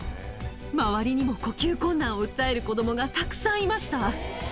周りにも呼吸困難を訴える子どもがたくさんいました。